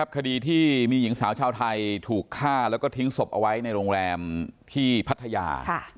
คดีที่มีหญิงสาวชาวไทยถูกฆ่าแล้วก็ทิ้งศพเอาไว้ในโรงแรมที่พัทยา